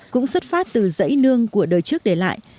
cũng xuất phát từ dãy nương của đời trước để lại